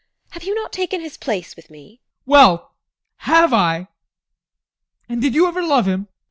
Have you not taken his place with me? ADOLPH. Well, have I? And did you ever love him?